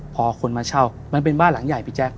พอคนมาเช่ามันเป็นบ้านหลังใหญ่พี่แจ๊ค